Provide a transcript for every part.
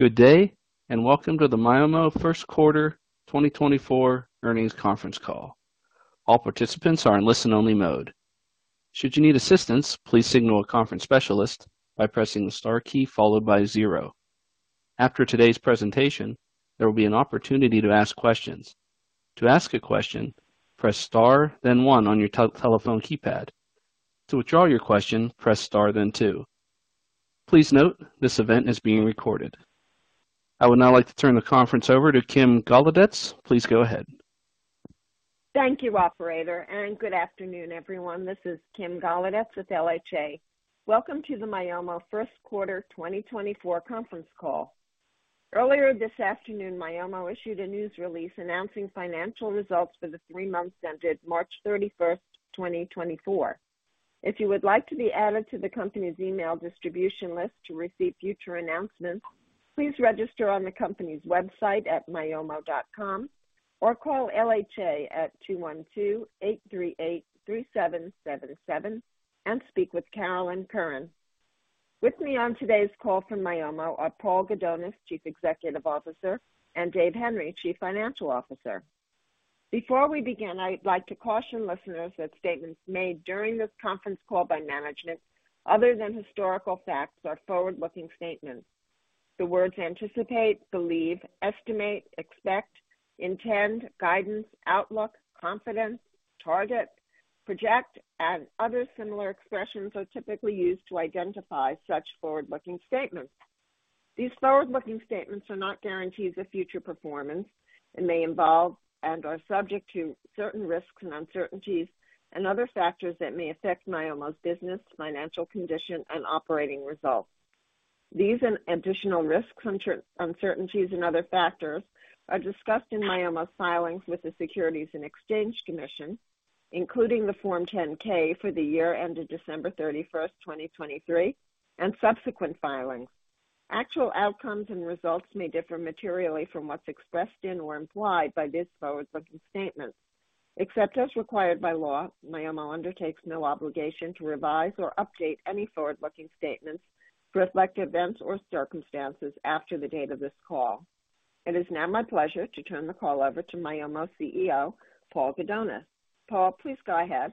Good day and welcome to the Myomo First Quarter 2024 Earnings Conference Call. All participants are in listen-only mode. Should you need assistance, please signal a conference specialist by pressing the star key followed by 0. After today's presentation, there will be an opportunity to ask questions. To ask a question, press star then 1 on your telephone keypad. To withdraw your question, press star then 2. Please note this event is being recorded. I would now like to turn the conference over to Kim Golodetz. Please go ahead. Thank you, operator, and good afternoon, everyone. This is Kim Golodetz with LHA. Welcome to the Myomo first quarter 2024 conference call. Earlier this afternoon, Myomo issued a news release announcing financial results for the three-month ended March 31, 2024. If you would like to be added to the company's email distribution list to receive future announcements, please register on the company's website at myomo.com or call LHA at 212-838-3777 and speak with Carolyn Curran. With me on today's call from Myomo are Paul Gudonis, Chief Executive Officer, and Dave Henry, Chief Financial Officer. Before we begin, I'd like to caution listeners that statements made during this conference call by management, other than historical facts, are forward-looking statements. The words anticipate, believe, estimate, expect, intend, guidance, outlook, confidence, target, project, and other similar expressions are typically used to identify such forward-looking statements. These forward-looking statements are not guarantees of future performance and may involve and are subject to certain risks and uncertainties and other factors that may affect Myomo's business, financial condition, and operating results. These additional risks, uncertainties, and other factors are discussed in Myomo's filings with the Securities and Exchange Commission, including the Form 10-K for the year ended December 31, 2023, and subsequent filings. Actual outcomes and results may differ materially from what's expressed in or implied by these forward-looking statements. Except as required by law, Myomo undertakes no obligation to revise or update any forward-looking statements to reflect events or circumstances after the date of this call. It is now my pleasure to turn the call over to Myomo CEO, Paul Gudonis. Paul, please go ahead.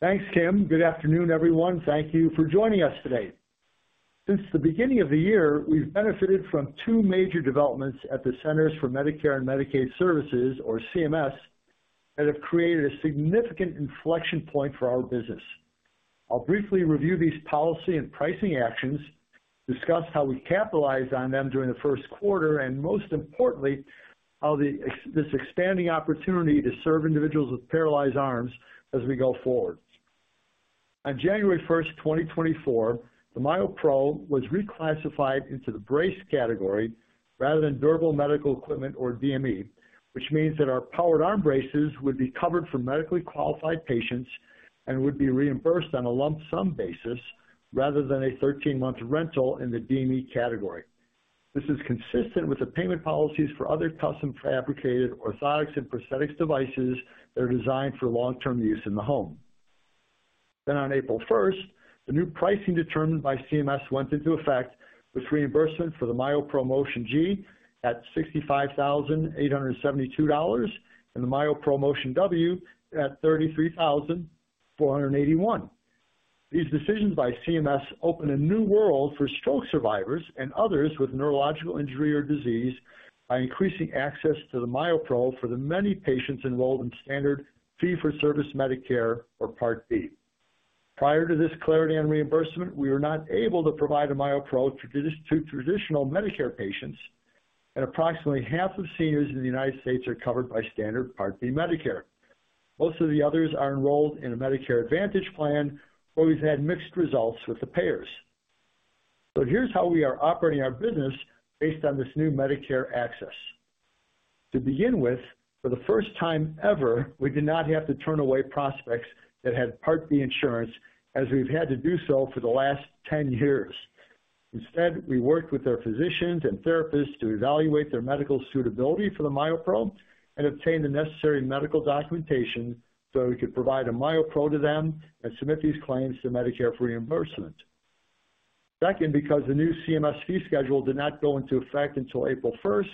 Thanks, Kim. Good afternoon, everyone. Thank you for joining us today. Since the beginning of the year, we've benefited from two major developments at the Centers for Medicare and Medicaid Services, or CMS, that have created a significant inflection point for our business. I'll briefly review these policy and pricing actions, discuss how we capitalized on them during the first quarter, and most importantly, how this expanding opportunity to serve individuals with paralyzed arms as we go forward. On January 1, 2024, the MyoPro was reclassified into the brace category rather than durable medical equipment, or DME, which means that our powered arm braces would be covered for medically qualified patients and would be reimbursed on a lump sum basis rather than a 13-month rental in the DME category. This is consistent with the payment policies for other custom fabricated orthotics and prosthetics devices that are designed for long-term use in the home. On April 1, the new pricing determined by CMS went into effect with reimbursement for the MyoPro Motion G at $65,872 and the MyoPro Motion W at $33,481. These decisions by CMS open a new world for stroke survivors and others with neurological injury or disease by increasing access to the MyoPro for the many patients enrolled in standard fee-for-service Medicare, or Part B. Prior to this clarity and reimbursement, we were not able to provide a MyoPro to traditional Medicare patients, and approximately half of seniors in the United States are covered by standard Part B Medicare. Most of the others are enrolled in a Medicare Advantage plan or we've had mixed results with the payers. So here's how we are operating our business based on this new Medicare access. To begin with, for the first time ever, we did not have to turn away prospects that had Part B insurance as we've had to do so for the last 10 years. Instead, we worked with their physicians and therapists to evaluate their medical suitability for the MyoPro and obtain the necessary medical documentation so that we could provide a MyoPro to them and submit these claims to Medicare for reimbursement. Second, because the new CMS fee schedule did not go into effect until April 1,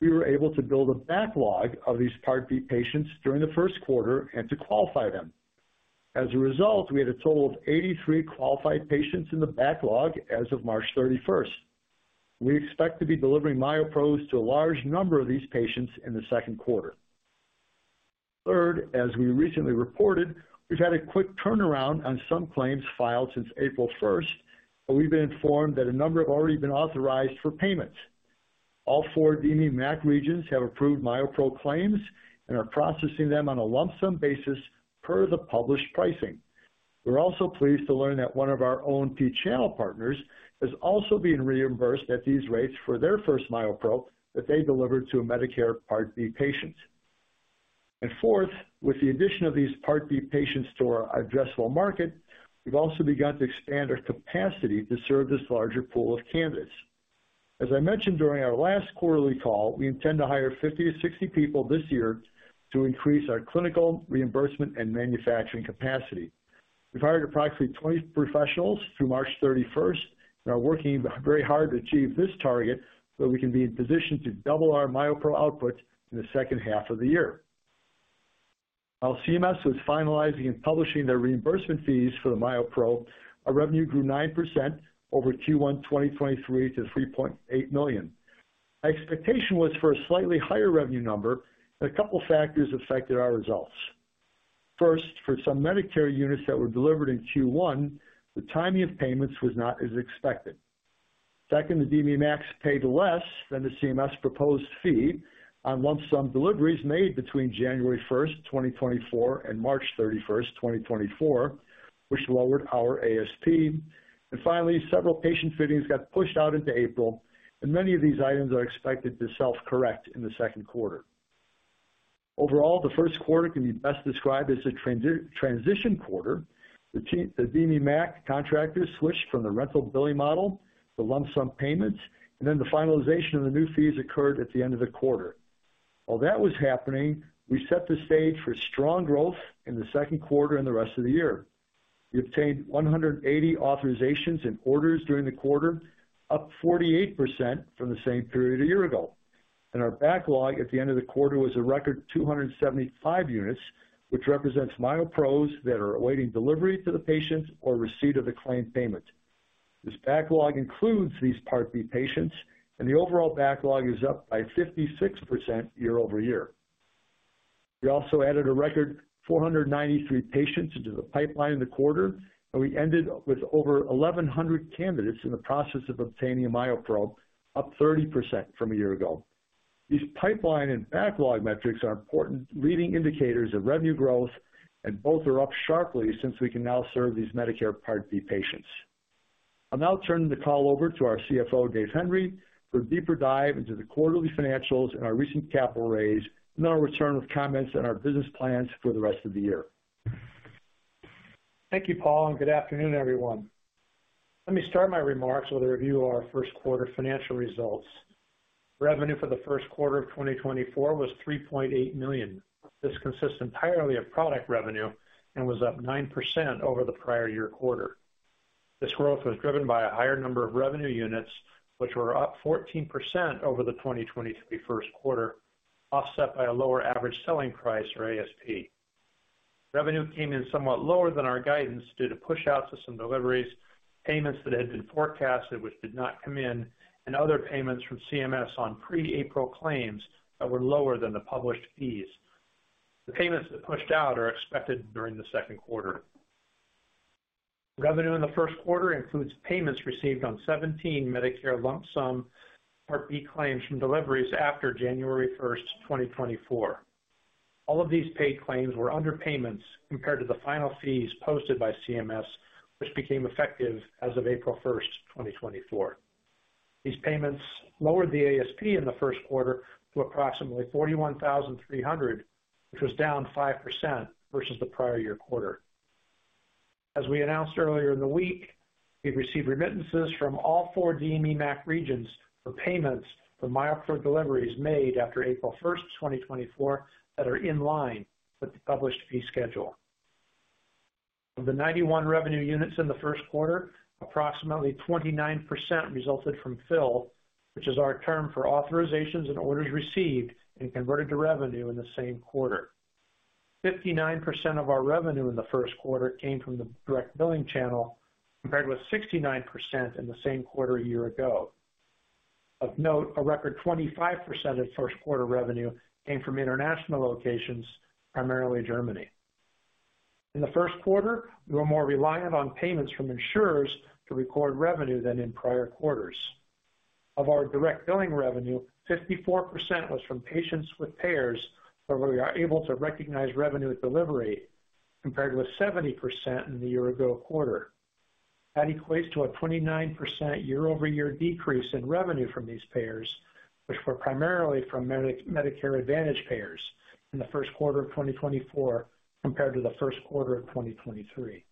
we were able to build a backlog of these Part B patients during the first quarter and to qualify them. As a result, we had a total of 83 qualified patients in the backlog as of March 31. We expect to be delivering MyoPros to a large number of these patients in the second quarter. Third, as we recently reported, we've had a quick turnaround on some claims filed since April 1, but we've been informed that a number have already been authorized for payments. All four DME MAC regions have approved MyoPro claims and are processing them on a lump sum basis per the published pricing. We're also pleased to learn that one of our O&P channel partners is also being reimbursed at these rates for their first MyoPro that they delivered to a Medicare Part B patient. Fourth, with the addition of these Part B patients to our addressable market, we've also begun to expand our capacity to serve this larger pool of candidates. As I mentioned during our last quarterly call, we intend to hire 50 to 60 people this year to increase our clinical reimbursement and manufacturing capacity. We've hired approximately 20 professionals through March 31 and are working very hard to achieve this target so that we can be in position to double our MyoPro output in the second half of the year. While CMS was finalizing and publishing their reimbursement fees for the MyoPro, our revenue grew 9% over Q1 2023 to $3.8 million. Expectation was for a slightly higher revenue number, and a couple of factors affected our results. First, for some Medicare units that were delivered in Q1, the timing of payments was not as expected. Second, the DME MACs paid less than the CMS proposed fee on lump sum deliveries made between January 1, 2024, and March 31, 2024, which lowered our ASP. Finally, several patient fittings got pushed out into April, and many of these items are expected to self-correct in the second quarter. Overall, the first quarter can be best described as a transition quarter. The DME MAC contractors switched from the rental billing model to lump sum payments, and then the finalization of the new fees occurred at the end of the quarter. While that was happening, we set the stage for strong growth in the second quarter and the rest of the year. We obtained 180 authorizations and orders during the quarter, up 48% from the same period a year ago. Our backlog at the end of the quarter was a record 275 units, which represents MyoPros that are awaiting delivery to the patient or receipt of the claim payment. This backlog includes these Part B patients, and the overall backlog is up by 56% year-over-year. We also added a record 493 patients into the pipeline in the quarter, and we ended with over 1,100 candidates in the process of obtaining a MyoPro, up 30% from a year ago. These pipeline and backlog metrics are important leading indicators of revenue growth, and both are up sharply since we can now serve these Medicare Part B patients. I'll now turn the call over to our CFO, Dave Henry, for a deeper dive into the quarterly financials and our recent capital raise, and then I'll return with comments on our business plans for the rest of the year. Thank you, Paul, and good afternoon, everyone. Let me start my remarks with a review of our first quarter financial results. Revenue for the first quarter of 2024 was $3.8 million. This consists entirely of product revenue and was up 9% over the prior year quarter. This growth was driven by a higher number of revenue units, which were up 14% over the 2023 first quarter, offset by a lower average selling price, or ASP. Revenue came in somewhat lower than our guidance due to push-outs of some deliveries, payments that had been forecasted which did not come in, and other payments from CMS on pre-April claims that were lower than the published fees. The payments that pushed out are expected during the second quarter. Revenue in the first quarter includes payments received on 17 Medicare lump sum Part B claims from deliveries after January 1, 2024. All of these paid claims were underpayments compared to the final fees posted by CMS, which became effective as of April 1, 2024. These payments lowered the ASP in the first quarter to approximately $41,300, which was down 5% versus the prior year quarter. As we announced earlier in the week, we've received remittances from all four DME MAC regions for payments for MyoPro deliveries made after April 1, 2024, that are in line with the published fee schedule. Of the 91 revenue units in the first quarter, approximately 29% resulted from fill, which is our term for authorizations and orders received and converted to revenue in the same quarter. 59% of our revenue in the first quarter came from the direct billing channel compared with 69% in the same quarter a year ago. Of note, a record 25% of first quarter revenue came from international locations, primarily Germany. In the first quarter, we were more reliant on payments from insurers to record revenue than in prior quarters. Of our direct billing revenue, 54% was from patients with payers, where we are able to recognize revenue at delivery compared with 70% in the year-ago quarter. That equates to a 29% year-over-year decrease in revenue from these payers, which were primarily from Medicare Advantage payers in the first quarter of 2024 compared to the first quarter of 2023.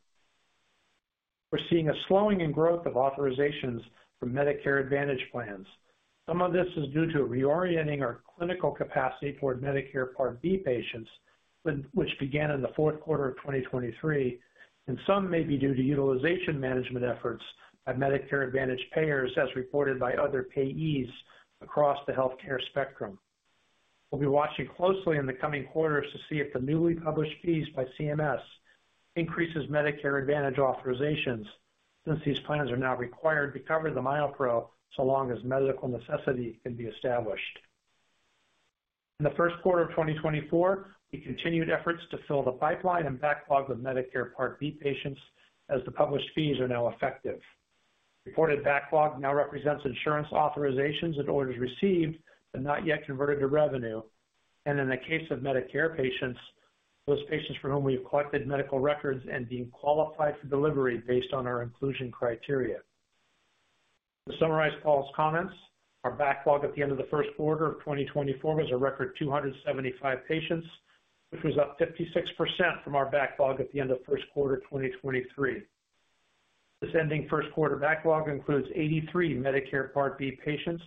We're seeing a slowing in growth of authorizations for Medicare Advantage plans. Some of this is due to reorienting our clinical capacity toward Medicare Part B patients, which began in the fourth quarter of 2023, and some may be due to utilization management efforts by Medicare Advantage payers as reported by other payees across the healthcare spectrum. We'll be watching closely in the coming quarters to see if the newly published fees by CMS increase Medicare Advantage authorizations since these plans are now required to cover the MyoPro so long as medical necessity can be established. In the first quarter of 2024, we continued efforts to fill the pipeline and backlog of Medicare Part B patients as the published fees are now effective. Reported backlog now represents insurance authorizations and orders received but not yet converted to revenue, and in the case of Medicare patients, those patients for whom we have collected medical records and deemed qualified for delivery based on our inclusion criteria. To summarize Paul's comments, our backlog at the end of the first quarter of 2024 was a record 275 patients, which was up 56% from our backlog at the end of first quarter 2023. This ending first quarter backlog includes 83 Medicare Part B patients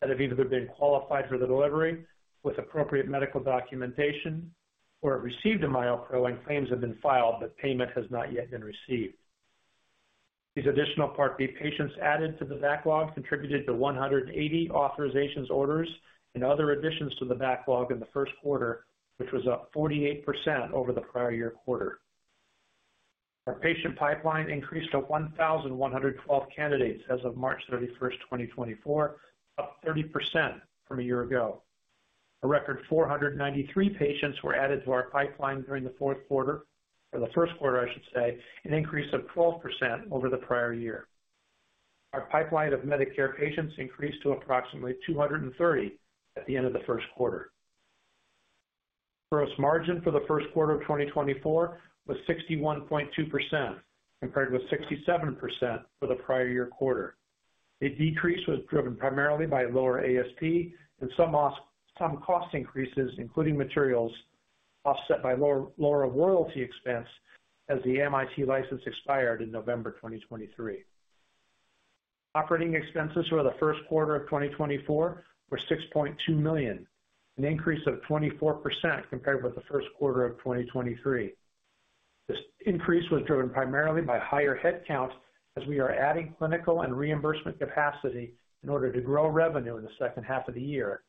that have either been qualified for the delivery with appropriate medical documentation or have received a MyoPro and claims have been filed but payment has not yet been received. These additional Part B patients added to the backlog contributed to 180 authorizations, orders, and other additions to the backlog in the first quarter, which was up 48% over the prior year quarter. Our patient pipeline increased to 1,112 candidates as of March 31, 2024, up 30% from a year ago. A record 493 patients were added to our pipeline during the fourth quarter or the first quarter, I should say, an increase of 12% over the prior year. Our pipeline of Medicare patients increased to approximately 230 at the end of the first quarter. Gross margin for the first quarter of 2024 was 61.2% compared with 67% for the prior year quarter. The decrease was driven primarily by lower ASP and some cost increases, including materials, offset by lower royalty expense as the MIT license expired in November 2023. Operating expenses for the first quarter of 2024 were $6.2 million, an increase of 24% compared with the first quarter of 2023. This increase was driven primarily by higher headcount as we are adding clinical and reimbursement capacity in order to grow revenue in the second half of the year,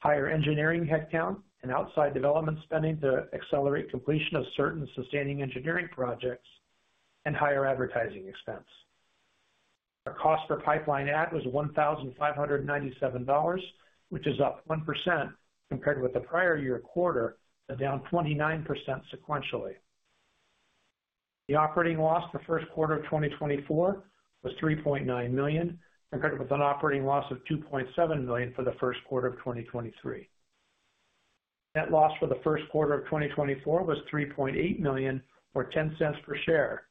higher engineering headcount and outside development spending to accelerate completion of certain sustaining engineering projects, and higher advertising expense. Our cost per pipeline add was $1,597, which is up 1% compared with the prior year quarter, but down 29% sequentially. The operating loss for first quarter of 2024 was $3.9 million compared with an operating loss of $2.7 million for the first quarter of 2023. Net loss for the first quarter of 2024 was $3.8 million or $0.10 per share.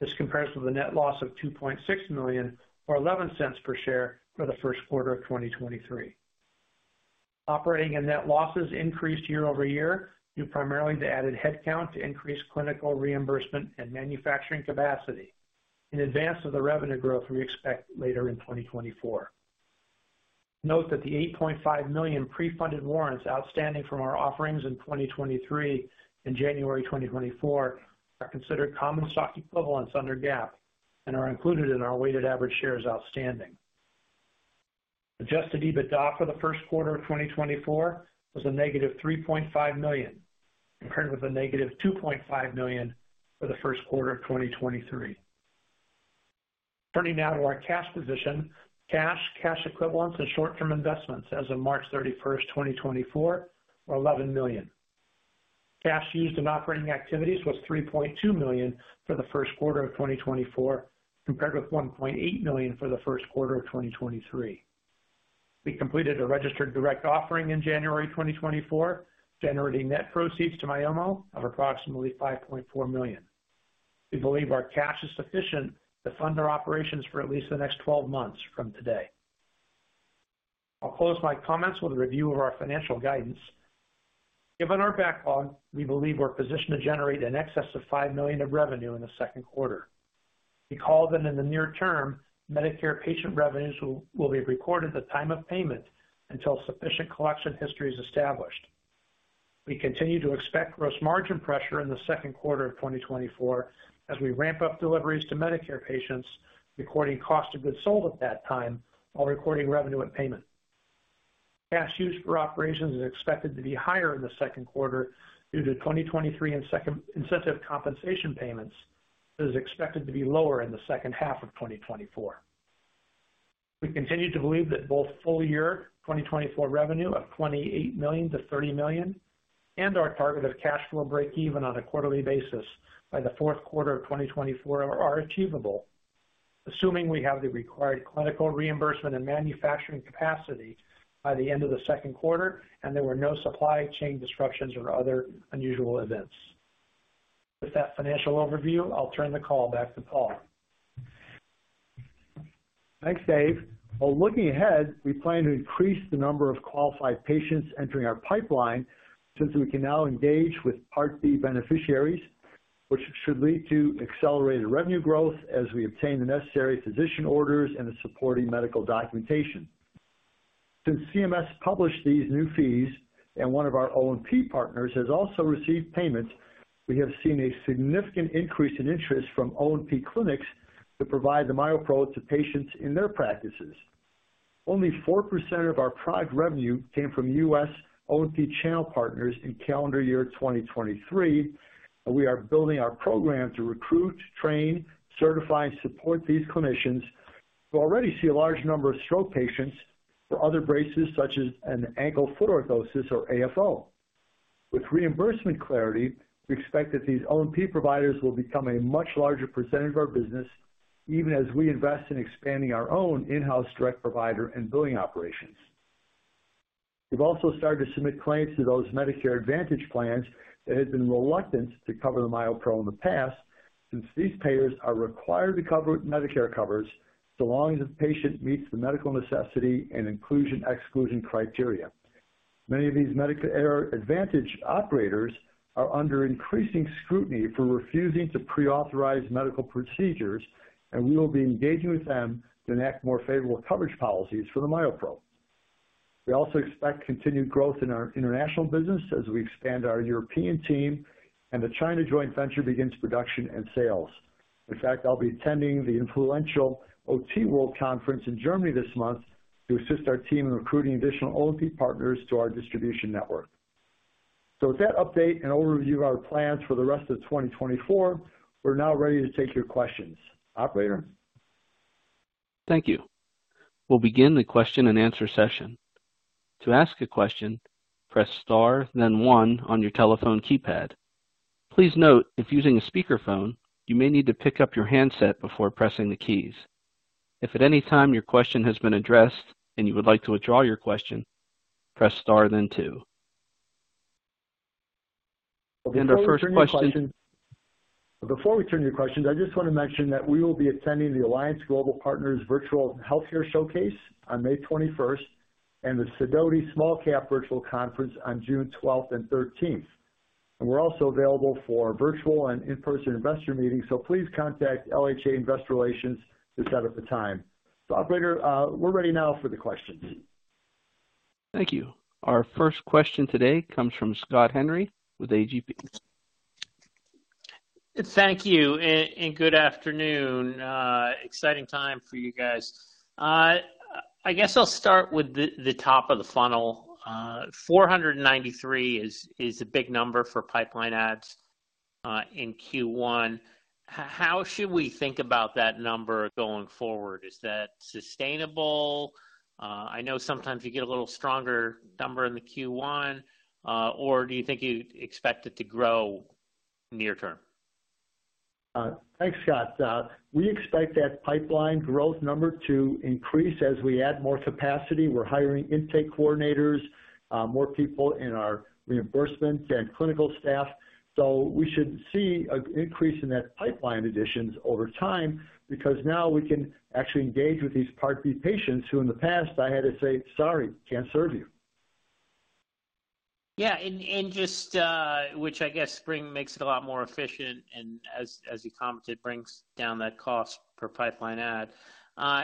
This compares with a net loss of $2.6 million or $0.11 per share for the first quarter of 2023. Operating and net losses increased year-over-year due primarily to added headcount to increase clinical reimbursement and manufacturing capacity in advance of the revenue growth we expect later in 2024. Note that the $8.5 million pre-funded warrants outstanding from our offerings in 2023 and January 2024 are considered common stock equivalents under GAAP and are included in our weighted average shares outstanding. Adjusted EBITDA for the first quarter of 2024 was a negative $3.5 million compared with a negative $2.5 million for the first quarter of 2023. Turning now to our cash position, cash, cash equivalents, and short-term investments as of March 31, 2024, were $11 million. Cash used in operating activities was $3.2 million for the first quarter of 2024 compared with $1.8 million for the first quarter of 2023. We completed a registered direct offering in January 2024, generating net proceeds to Myomo of approximately $5.4 million. We believe our cash is sufficient to fund our operations for at least the next 12 months from today. I'll close my comments with a review of our financial guidance. Given our backlog, we believe we're positioned to generate in excess of $5 million of revenue in the second quarter. We call that in the near term, Medicare patient revenues will be recorded at the time of payment until sufficient collection history is established. We continue to expect gross margin pressure in the second quarter of 2024 as we ramp up deliveries to Medicare patients, recording cost of goods sold at that time while recording revenue at payment. Cash used for operations is expected to be higher in the second quarter due to 2023 incentive compensation payments. It is expected to be lower in the second half of 2024. We continue to believe that both full year 2024 revenue of $28 million-$30 million and our target of cash flow break-even on a quarterly basis by the fourth quarter of 2024 are achievable, assuming we have the required clinical reimbursement and manufacturing capacity by the end of the second quarter and there were no supply chain disruptions or other unusual events. With that financial overview, I'll turn the call back to Paul. Thanks, Dave. Well, looking ahead, we plan to increase the number of qualified patients entering our pipeline since we can now engage with Part B beneficiaries, which should lead to accelerated revenue growth as we obtain the necessary physician orders and the supporting medical documentation. Since CMS published these new fees and one of our O&P partners has also received payments, we have seen a significant increase in interest from O&P clinics to provide the MyoPro to patients in their practices. Only 4% of our product revenue came from U.S. O&P channel partners in calendar year 2023, and we are building our program to recruit, train, certify, and support these clinicians who already see a large number of stroke patients for other braces such as an ankle foot orthosis or AFO. With reimbursement clarity, we expect that these O&P providers will become a much larger percentage of our business even as we invest in expanding our own in-house direct provider and billing operations. We've also started to submit claims to those Medicare Advantage plans that had been reluctant to cover the MyoPro in the past since these payers are required to cover what Medicare covers so long as the patient meets the medical necessity and inclusion/exclusion criteria. Many of these Medicare Advantage operators are under increasing scrutiny for refusing to pre-authorize medical procedures, and we will be engaging with them to enact more favorable coverage policies for the MyoPro. We also expect continued growth in our international business as we expand our European team and the China joint venture begins production and sales. In fact, I'll be attending the influential OTWorld conference in Germany this month to assist our team in recruiting additional O&P partners to our distribution network. So with that update and overview of our plans for the rest of 2024, we're now ready to take your questions. Operator? Thank you. We'll begin the question and answer session. To ask a question, press star then one on your telephone keypad. Please note, if using a speakerphone, you may need to pick up your handset before pressing the keys. If at any time your question has been addressed and you would like to withdraw your question, press star then two. Before we turn your questions I just want to mention that we will be attending the Alliance Global Partners Virtual Healthcare Showcase on May 21st and the Sidoti Small Cap Virtual Conference on June 12th and 13th. And we're also available for virtual and in-person investor meetings, so please contact LHA Investor Relations to set up a time. So operator, we're ready now for the questions. Thank you. Our first question today comes from Scott Henry with AGP. Thank you and good afternoon. Exciting time for you guys. I guess I'll start with the top of the funnel. $493 is a big number for pipeline adds in Q1. How should we think about that number going forward? Is that sustainable? I know sometimes you get a little stronger number in the Q1, or do you think you expect it to grow near-term? Thanks, Scott. We expect that pipeline growth number to increase as we add more capacity. We're hiring intake coordinators, more people in our reimbursement and clinical staff, so we should see an increase in that pipeline additions over time because now we can actually engage with these Part B patients who in the past I had to say, "Sorry, can't serve you. Yeah, and just which I guess spring makes it a lot more efficient and as you commented, brings down that cost per pipeline add.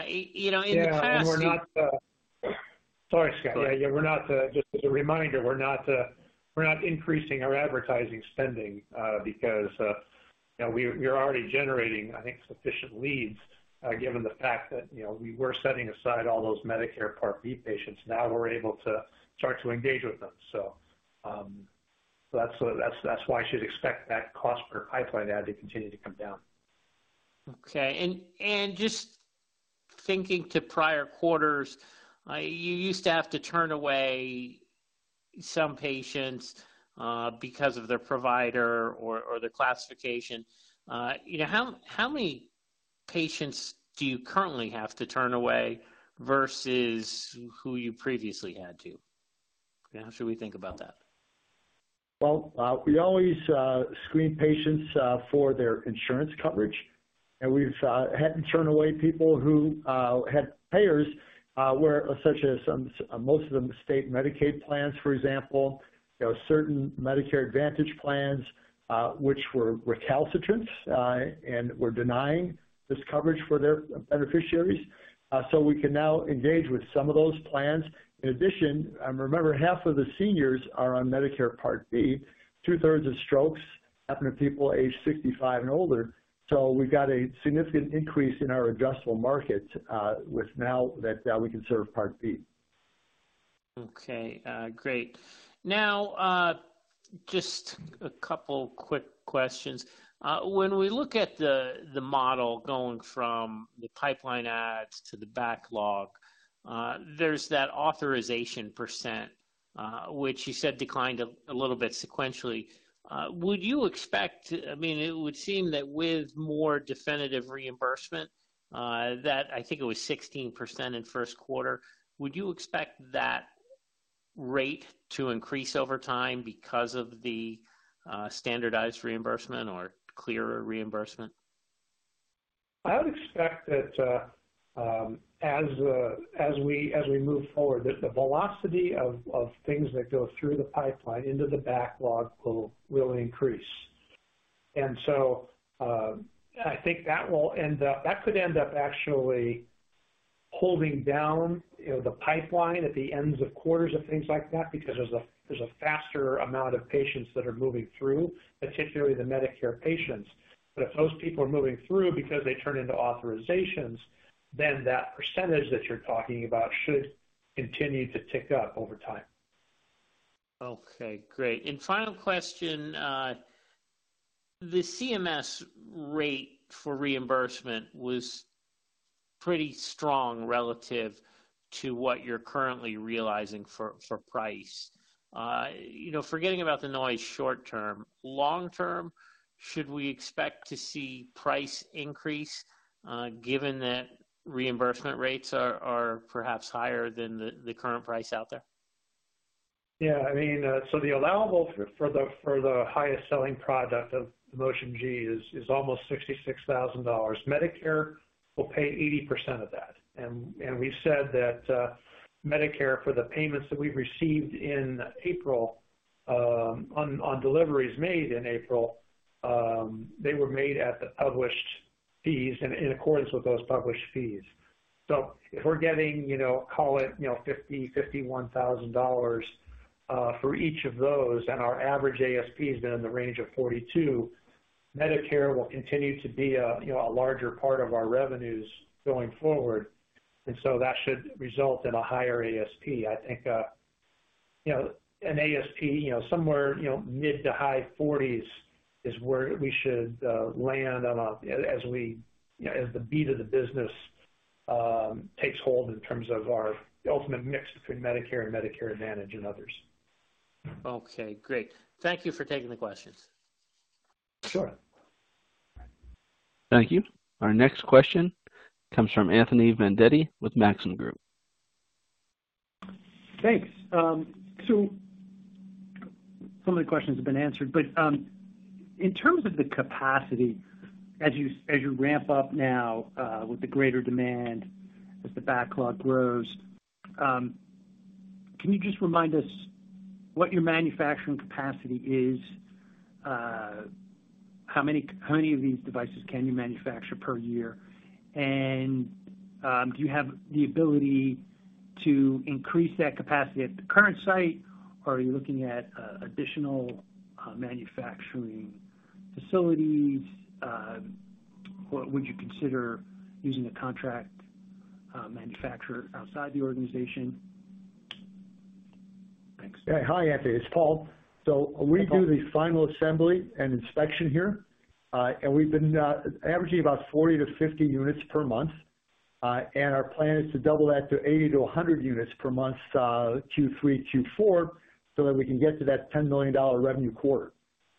You know, in the past. Yeah, and we're not sorry, Scott. Yeah, yeah, we're not just as a reminder, we're not increasing our advertising spending because we're already generating, I think, sufficient leads given the fact that we were setting aside all those Medicare Part B patients. Now we're able to start to engage with them, so that's why I should expect that cost per pipeline add to continue to come down. Okay. Just thinking to prior quarters, you used to have to turn away some patients because of their provider or their classification. How many patients do you currently have to turn away versus who you previously had to? How should we think about that? Well, we always screen patients for their insurance coverage, and we've had to turn away people who had payers such as most of them state Medicaid plans, for example, certain Medicare Advantage plans which were recalcitrant and were denying this coverage for their beneficiaries. So we can now engage with some of those plans. In addition, remember, half of the seniors are on Medicare Part B, two-thirds of strokes happen to people age 65 and older, so we've got a significant increase in our addressable markets now that we can serve Part B. Okay. Great. Now, just a couple quick questions. When we look at the model going from the pipeline adds to the backlog, there's that authorization percent which you said declined a little bit sequentially. Would you expect—I mean, it would seem that with more definitive reimbursement that I think it was 16% in first quarter. Would you expect that rate to increase over time because of the standardized reimbursement or clearer reimbursement? I would expect that as we move forward, the velocity of things that go through the pipeline into the backlog will really increase. And so I think that will end up that could end up actually holding down the pipeline at the ends of quarters of things like that because there's a faster amount of patients that are moving through, particularly the Medicare patients. But if those people are moving through because they turn into authorizations, then that percentage that you're talking about should continue to tick up over time. Okay. Great. Final question. The CMS rate for reimbursement was pretty strong relative to what you're currently realizing for price. Forgetting about the noise short-term, long-term, should we expect to see price increase given that reimbursement rates are perhaps higher than the current price out there? Yeah. I mean, so the allowable for the highest selling product of Motion G is almost $66,000. Medicare will pay 80% of that. And we've said that Medicare, for the payments that we've received in April on deliveries made in April, they were made at the published fees and in accordance with those published fees. So if we're getting, call it, $50,000, $51,000 for each of those and our average ASP has been in the range of 42, Medicare will continue to be a larger part of our revenues going forward, and so that should result in a higher ASP. I think an ASP somewhere mid to high 40s is where we should land as the beat of the business takes hold in terms of our ultimate mix between Medicare and Medicare Advantage and others. Okay. Great. Thank you for taking the questions. Sure. Thank you. Our next question comes from Anthony Vendetti with Maxim Group. Thanks. So some of the questions have been answered, but in terms of the capacity, as you ramp up now with the greater demand, as the backlog grows, can you just remind us what your manufacturing capacity is? How many of these devices can you manufacture per year? And do you have the ability to increase that capacity at the current site, or are you looking at additional manufacturing facilities? Would you consider using a contract manufacturer outside the organization? Thanks. Hi, Anthony. It's Paul. So we do the final assembly and inspection here, and we've been averaging about 40-50 units per month. And our plan is to double that to 80-100 units per month Q3, Q4 so that we can get to that $10 million revenue quarter.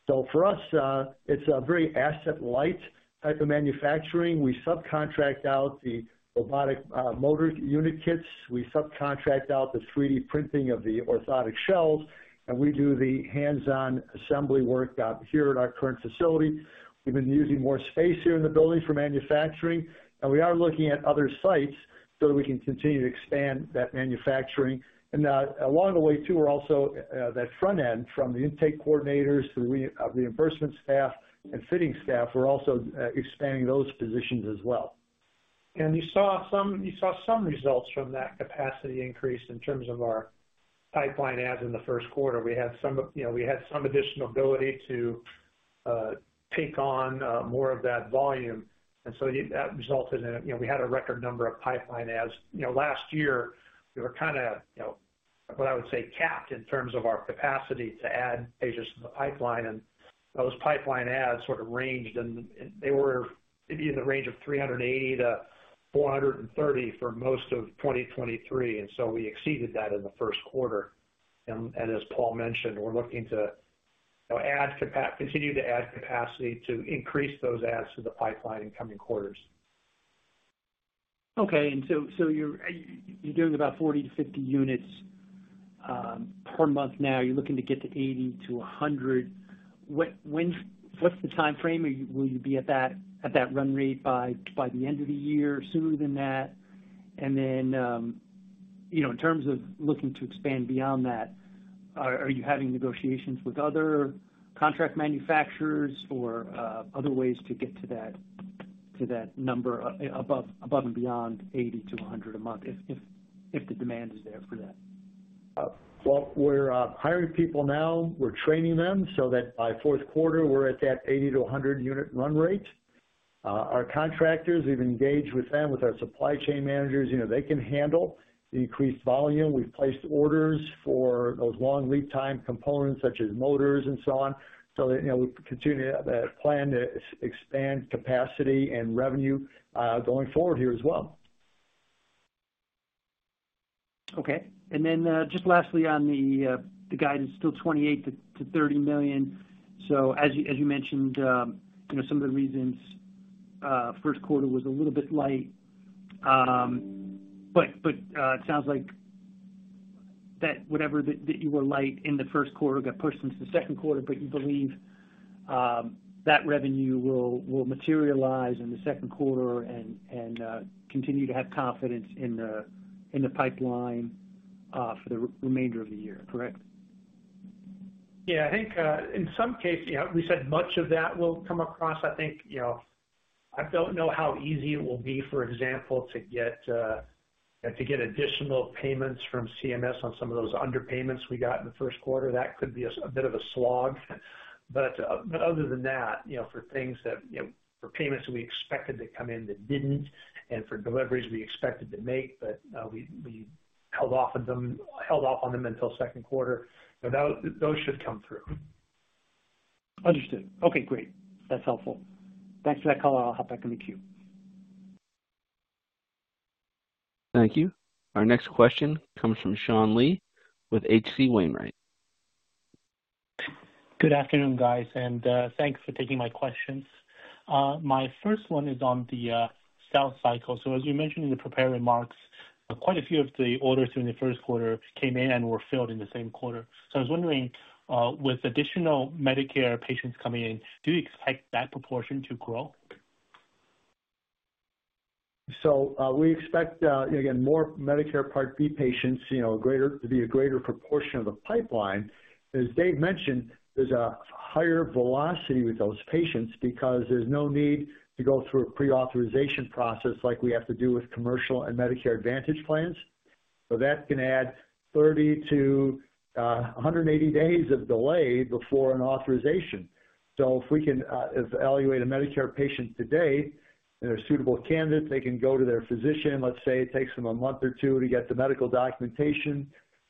So for us, it's a very asset-light type of manufacturing. We subcontract out the robotic motor unit kits. We subcontract out the 3D printing of the orthotic shells, and we do the hands-on assembly work here at our current facility. We've been using more space here in the building for manufacturing, and we are looking at other sites so that we can continue to expand that manufacturing. Along the way, too, we're also that front end from the intake coordinators to the reimbursement staff and fitting staff, we're also expanding those positions as well. You saw some results from that capacity increase in terms of our pipeline adds in the first quarter. We had some additional ability to take on more of that volume, and so that resulted in we had a record number of pipeline adds. Last year, we were kind of, what I would say, capped in terms of our capacity to add patients to the pipeline, and those pipeline adds sort of ranged, and they were in the range of 380-430 for most of 2023, and so we exceeded that in the first quarter. And as Paul mentioned, we're looking to continue to add capacity to increase those adds to the pipeline in coming quarters. Okay. So you're doing about 40-50 units per month now. You're looking to get to 80-100. What's the time frame? Will you be at that run rate by the end of the year, sooner than that? And then in terms of looking to expand beyond that, are you having negotiations with other contract manufacturers or other ways to get to that number above and beyond 80-100 a month if the demand is there for that? Well, we're hiring people now. We're training them so that by fourth quarter, we're at that 80-100 unit run rate. Our contractors even engage with them, with our supply chain managers. They can handle the increased volume. We've placed orders for those long lead time components such as motors and so on, so that we continue to plan to expand capacity and revenue going forward here as well. Okay. And then just lastly on the guidance, still $28 million-$30 million. So as you mentioned, some of the reasons first quarter was a little bit light, but it sounds like that whatever that you were light in the first quarter got pushed into the second quarter, but you believe that revenue will materialize in the second quarter and continue to have confidence in the pipeline for the remainder of the year. Correct? Yeah. I think in some cases, we said much of that will come across. I think I don't know how easy it will be, for example, to get additional payments from CMS on some of those underpayments we got in the first quarter. That could be a bit of a slog. But other than that, for things that for payments that we expected to come in that didn't and for deliveries we expected to make but we held off on them until second quarter, those should come through. Understood. Okay. Great. That's helpful. Thanks for that call. I'll hop back on the queue. Thank you. Our next question comes from Sean Lee with H.C. Wainwright. Good afternoon, guys, and thanks for taking my questions. My first one is on the sales cycle. So as you mentioned in the prepared remarks, quite a few of the orders during the first quarter came in and were filled in the same quarter. So I was wondering, with additional Medicare patients coming in, do you expect that proportion to grow? So we expect, again, more Medicare Part B patients, to be a greater proportion of the pipeline. As Dave mentioned, there's a higher velocity with those patients because there's no need to go through a pre-authorization process like we have to do with commercial and Medicare Advantage plans. So that's going to add 30-180 days of delay before an authorization. So if we can evaluate a Medicare patient today and they're a suitable candidate, they can go to their physician. Let's say it takes them a month or two to get the medical documentation.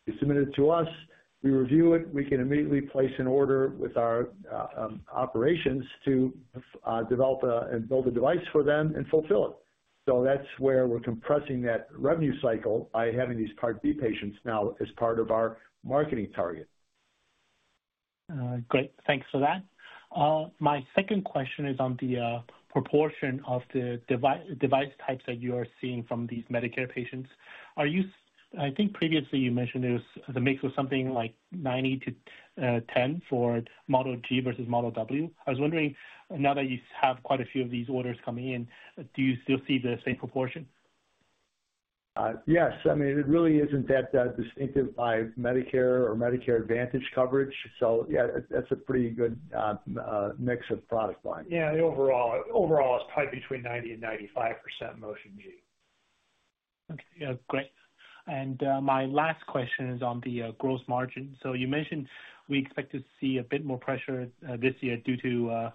They submit it to us. We review it. We can immediately place an order with our operations to develop and build a device for them and fulfill it. So that's where we're compressing that revenue cycle by having these Part B patients now as part of our marketing target. Great. Thanks for that. My second question is on the proportion of the device types that you are seeing from these Medicare patients. I think previously you mentioned the mix was something like 90-10 for Model G versus Model W. I was wondering, now that you have quite a few of these orders coming in, do you still see the same proportion? Yes. I mean, it really isn't that distinguished by Medicare or Medicare Advantage coverage. So yeah, that's a pretty good mix of product lines. Yeah. Overall, it's probably between 90%-95% Motion G. Okay. Great. My last question is on the gross margin. So you mentioned we expect to see a bit more pressure this year due to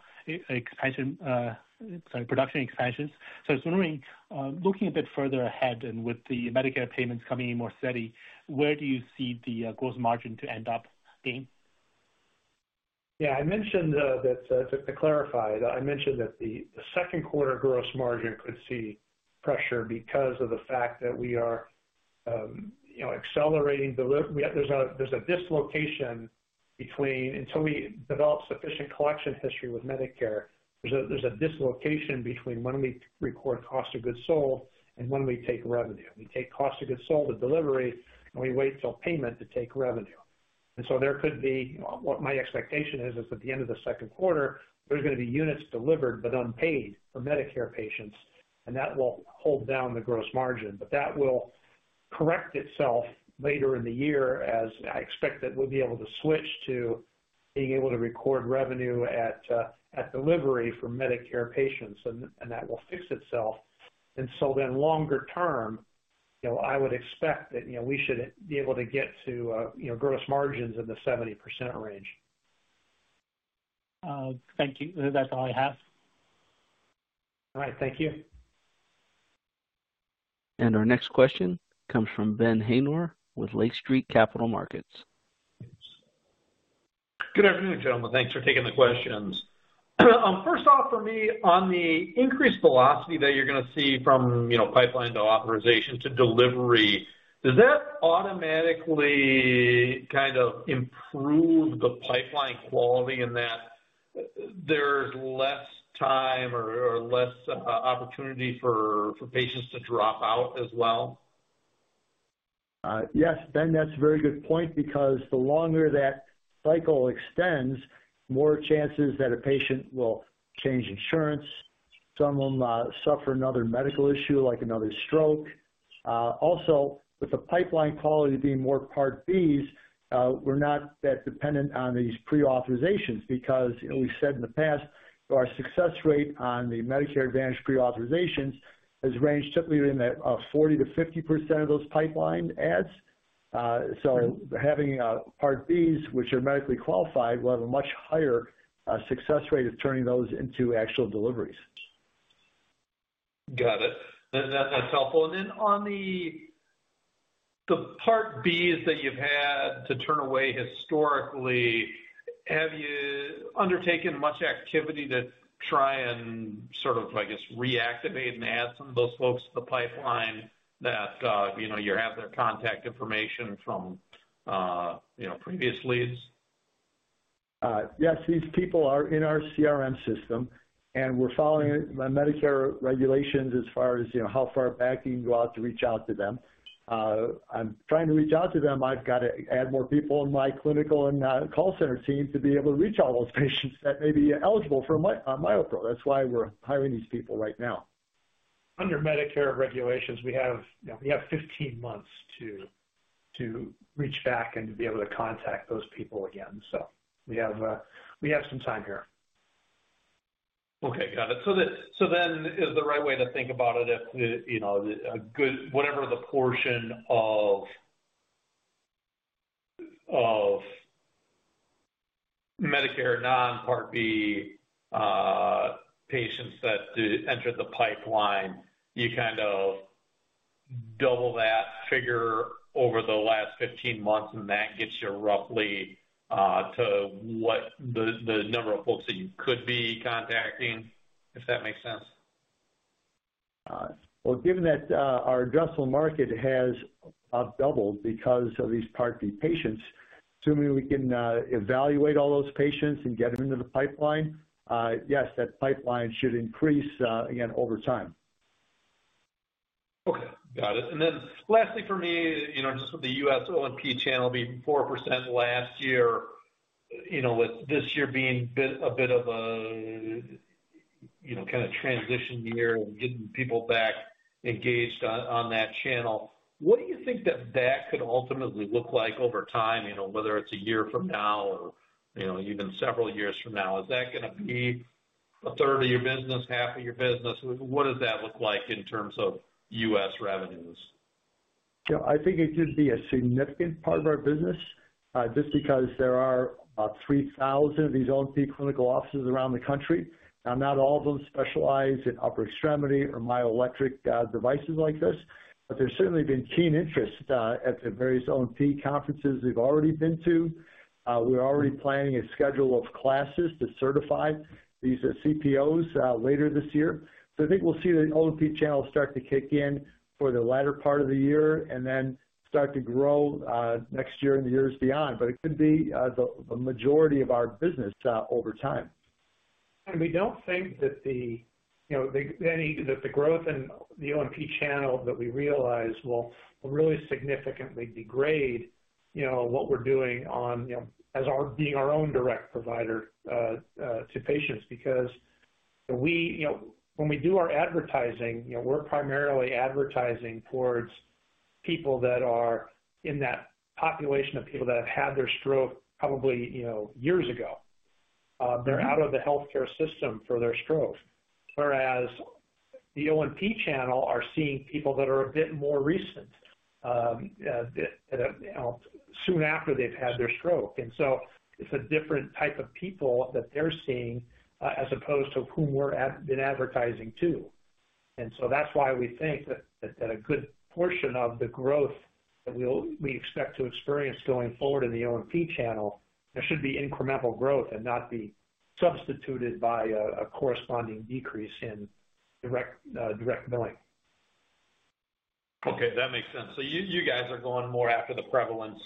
production expansions. So I was wondering, looking a bit further ahead and with the Medicare payments coming in more steady, where do you see the gross margin to end up being? Yeah. To clarify, I mentioned that the second quarter gross margin could see pressure because of the fact that we are accelerating. There's a dislocation between until we develop sufficient collection history with Medicare. There's a dislocation between when we record cost of goods sold and when we take revenue. We take cost of goods sold at delivery, and we wait till payment to take revenue. And so there could be what my expectation is at the end of the second quarter. There's going to be units delivered but unpaid for Medicare patients, and that will hold down the gross margin. But that will correct itself later in the year as I expect that we'll be able to switch to being able to record revenue at delivery for Medicare patients, and that will fix itself. Longer term, I would expect that we should be able to get to gross margins in the 70% range. Thank you. That's all I have. All right. Thank you. Our next question comes from Ben Haynor with Lake Street Capital Markets. Good afternoon, gentlemen. Thanks for taking the questions. First off, for me, on the increased velocity that you're going to see from pipeline to authorization to delivery, does that automatically kind of improve the pipeline quality in that there's less time or less opportunity for patients to drop out as well? Yes, Ben, that's a very good point because the longer that cycle extends, more chances that a patient will change insurance. Some of them suffer another medical issue like another stroke. Also, with the pipeline quality being more Part Bs, we're not that dependent on these pre-authorizations because we've said in the past our success rate on the Medicare Advantage pre-authorizations has ranged typically in the 40%-50% of those pipeline adds. So having Part Bs, which are medically qualified, will have a much higher success rate of turning those into actual deliveries. Got it. That's helpful. And then on the Part Bs that you've had to turn away historically, have you undertaken much activity to try and sort of, I guess, reactivate and add some of those folks to the pipeline that you have their contact information from previous leads? Yes. These people are in our CRM system, and we're following Medicare regulations as far as how far back you can go out to reach out to them. I'm trying to reach out to them. I've got to add more people in my clinical and call center team to be able to reach all those patients that may be eligible for a MyoPro. That's why we're hiring these people right now. Under Medicare regulations, we have 15 months to reach back and to be able to contact those people again. So we have some time here. Okay. Got it. So then is the right way to think about it if whatever the portion of Medicare non-Part B patients that entered the pipeline, you kind of double that figure over the last 15 months, and that gets you roughly to the number of folks that you could be contacting, if that makes sense? Well, given that our addressable market has doubled because of these Part B patients, assuming we can evaluate all those patients and get them into the pipeline, yes, that pipeline should increase, again, over time. Okay. Got it. And then lastly for me, just with the U.S. O&P channel, it'll be 4% last year with this year being a bit of a kind of transition year and getting people back engaged on that channel. What do you think that that could ultimately look like over time, whether it's a year from now or even several years from now? Is that going to be a third of your business, half of your business? What does that look like in terms of U.S. revenues? I think it should be a significant part of our business just because there are about 3,000 of these O&P clinical offices around the country. Now, not all of them specialize in upper extremity or myoelectric devices like this, but there's certainly been keen interest at the various O&P conferences we've already been to. We're already planning a schedule of classes to certify these CPOs later this year. So I think we'll see the O&P channel start to kick in for the latter part of the year and then start to grow next year and the years beyond. But it could be the majority of our business over time. We don't think that the growth in the O&P channel that we realize will really significantly degrade what we're doing as being our own direct provider to patients because when we do our advertising, we're primarily advertising towards people that are in that population of people that have had their stroke probably years ago. They're out of the healthcare system for their stroke, whereas the O&P channel is seeing people that are a bit more recent, soon after they've had their stroke. It's a different type of people that they're seeing as opposed to whom we're advertising to. That's why we think that a good portion of the growth that we expect to experience going forward in the O&P channel, there should be incremental growth and not be substituted by a corresponding decrease in direct billing. Okay. That makes sense. So you guys are going more after the prevalence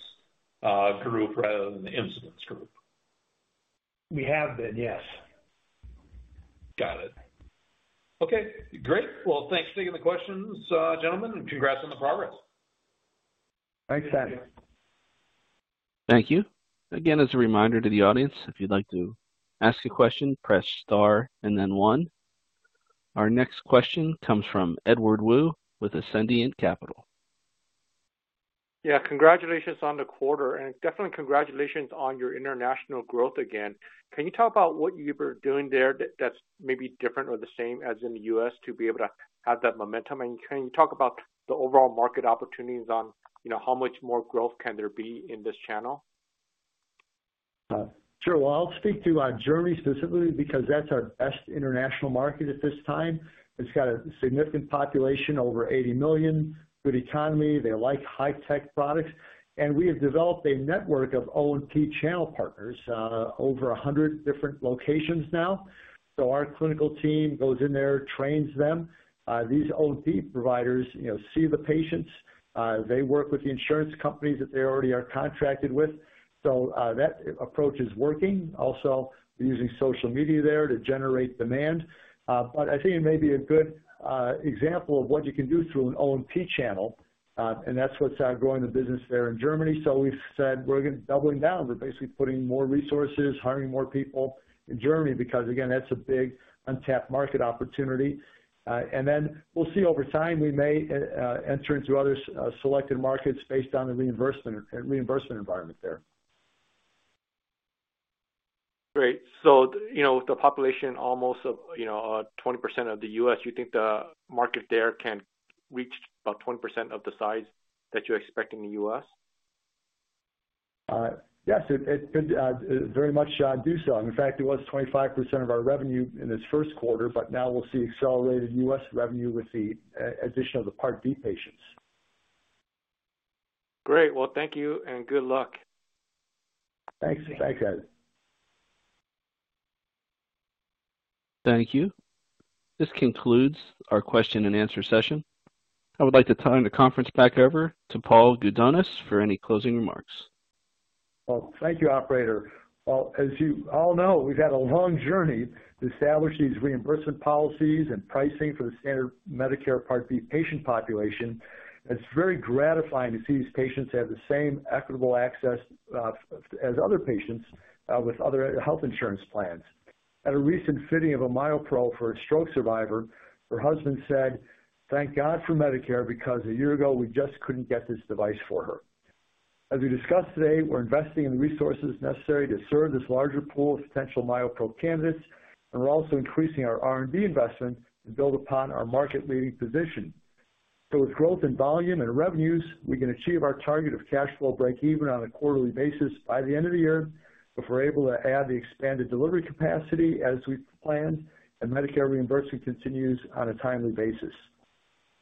group rather than the incidence group? We have been, yes. Got it. Okay. Great. Well, thanks for taking the questions, gentlemen, and congrats on the progress. Thanks, Ben. Thank you. Again, as a reminder to the audience, if you'd like to ask a question, press star and then one. Our next question comes from Edward Woo with Ascendiant Capital. Yeah. Congratulations on the quarter, and definitely congratulations on your international growth again. Can you talk about what you're doing there that's maybe different or the same as in the U.S. to be able to have that momentum? And can you talk about the overall market opportunities on how much more growth can there be in this channel? Sure. Well, I'll speak to our Germany specifically because that's our best international market at this time. It's got a significant population, over 80 million, good economy. They like high-tech products. And we have developed a network of O&P channel partners, over 100 different locations now. So our clinical team goes in there, trains them. These O&P providers see the patients. They work with the insurance companies that they already are contracted with. So that approach is working. Also, we're using social media there to generate demand. But I think it may be a good example of what you can do through an O&P channel, and that's what's growing the business there in Germany. So we've said we're doubling down. We're basically putting more resources, hiring more people in Germany because, again, that's a big untapped market opportunity. And then we'll see over time. We may enter into other selected markets based on the reimbursement environment there. Great. So with the population almost of 20% of the U.S., you think the market there can reach about 20% of the size that you expect in the U.S.? Yes. It could very much do so. In fact, it was 25% of our revenue in this first quarter, but now we'll see accelerated U.S. revenue with the addition of the Part B patients. Great. Well, thank you and good luck. Thanks. Thanks, Ed. Thank you. This concludes our question-and-answer session. I would like to turn the conference back over to Paul Gudonis for any closing remarks. Well, thank you, operator. Well, as you all know, we've had a long journey to establish these reimbursement policies and pricing for the standard Medicare Part B patient population. It's very gratifying to see these patients have the same equitable access as other patients with other health insurance plans. At a recent fitting of a MyoPro for a stroke survivor, her husband said, "Thank God for Medicare because a year ago, we just couldn't get this device for her." As we discussed today, we're investing in the resources necessary to serve this larger pool of potential MyoPro candidates, and we're also increasing our R&D investment to build upon our market-leading position. So with growth in volume and revenues, we can achieve our target of cash flow break-even on a quarterly basis by the end of the year if we're able to add the expanded delivery capacity as we planned and Medicare reimbursement continues on a timely basis.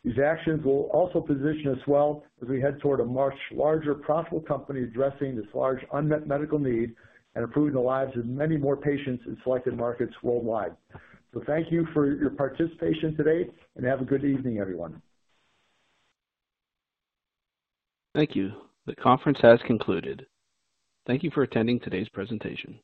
These actions will also position us well as we head toward a much larger profitable company addressing this large unmet medical need and improving the lives of many more patients in selected markets worldwide. So thank you for your participation today, and have a good evening, everyone. Thank you. The conference has concluded. Thank you for attending today's presentation.